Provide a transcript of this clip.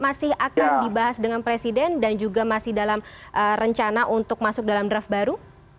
masih akan dibahas dengan presiden dan juga masih dalam rencana untuk masuk dalam draft baru